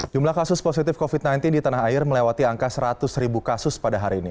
jumlah kasus positif covid sembilan belas di tanah air melewati angka seratus ribu kasus pada hari ini